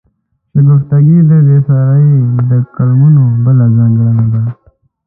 شګفتګي د بېکسیار د کالمونو بله ځانګړنه ده.